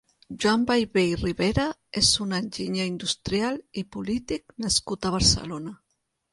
Joan Vallvé i Ribera és un enginyer industrial i polític nascut a Barcelona.